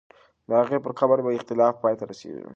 د هغې پر قبر به اختلاف پای ته رسېږي.